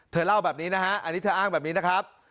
เธอเล่าแบบนี้นะฮะอันนี้เธออ้างแบบนี้นะครับ